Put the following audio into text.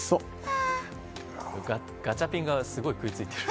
ガチャピンがすごい食いついている。